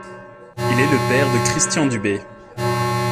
Il est le père de Christian Dubé.